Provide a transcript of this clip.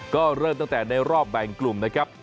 ก็เริ่มตั้งแต่ในรอบแบ่งกลุ่มนะครับ